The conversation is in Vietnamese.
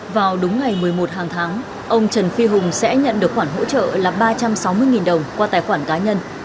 vào đúng ngày một mươi một hàng tháng ông trần phi hùng sẽ nhận được khoản hỗ trợ là ba trăm sáu mươi đồng qua tài khoản cá nhân